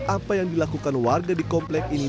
apa yang dilakukan warga di komplek ini